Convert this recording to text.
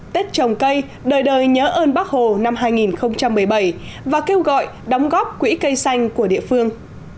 tết trồng cây đời đời nhớ ơn bác hồ năm hai nghìn một mươi bảy và kêu gọi đóng góp quỹ cây xanh của địa phương